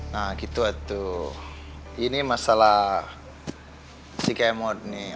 nah gitu aduh ini masalah si kemot nih